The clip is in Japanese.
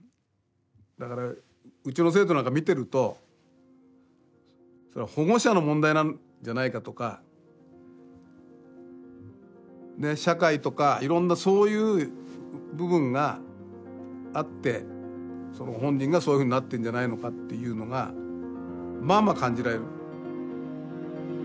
だからうちの生徒なんか見てると保護者の問題なんじゃないかとか社会とかいろんなそういう部分があってその本人がそういうふうになってんじゃないかっていうのがまあまあ感じられる。